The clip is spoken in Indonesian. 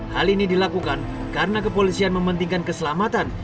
hal ini dilakukan karena kepolisian mementingkan keselamatan